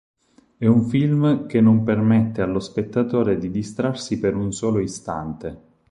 E' un film che non permette allo spettatore di distrarsi per un solo istante.